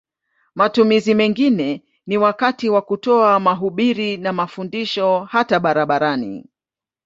Matumizi mengine ni wakati wa kutoa mahubiri na mafundisho hata barabarani.